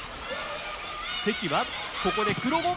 関はここで黒後。